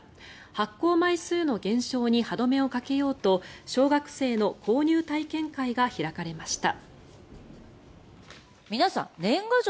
発行枚数の減少に歯止めをかけようと小学生の購入体験会が開かれました。